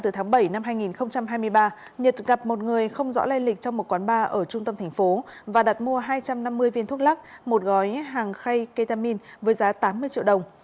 từ tháng bảy năm hai nghìn hai mươi ba nhật gặp một người không rõ lây lịch trong một quán bar ở trung tâm thành phố và đặt mua hai trăm năm mươi viên thuốc lắc một gói hàng khay ketamin với giá tám mươi triệu đồng